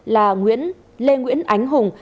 là lê nguyễn ánh hùng